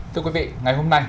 thưa quý vị ngày hôm nay